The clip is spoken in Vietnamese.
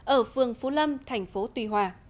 ở phường phú lâm thành phố tuy hòa